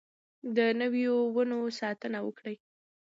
د نويو ونو ساتنه وکړئ.